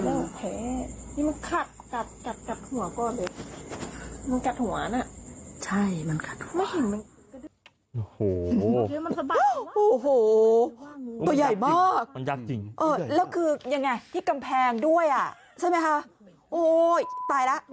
มันกัดหัวนะไม่เห็นมันกัดหัวโอ้โหโอ้โหตัวใหญ่มากแล้วคือยังไงที่กำแพงด้วยอ่ะใช่ไหมคะโอ้ยตายแล้ว